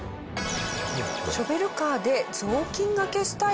ショベルカーで雑巾がけスタイル。